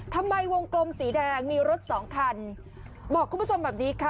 ทำไมวงกลมสีแดงมีรถสองคันบอกคุณผู้ชมแบบนี้ค่ะ